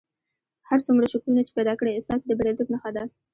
هر څومره شکلونه چې پیدا کړئ ستاسې د بریالیتوب نښه ده.